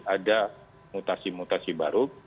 ada mutasi mutasi baru